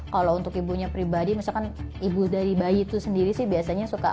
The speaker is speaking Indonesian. kalau untuk ibunya pribadi misalkan ibu dari bayi itu sendiri sih biasanya suka